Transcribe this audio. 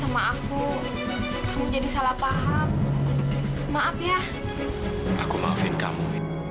gue temuin kamu